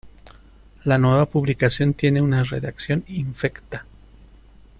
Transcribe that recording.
La nueva publicación tiene una redacción infecta.